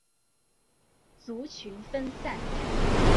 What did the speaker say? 族群分散。